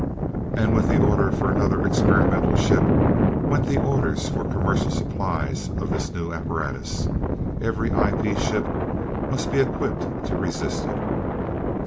And with the order for another experimental ship, went the orders for commercial supplies of this new apparatus. Every IP ship must be equipped to resist it.